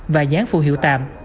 và gián phù hiệu tạm